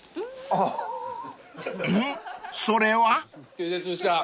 気絶した。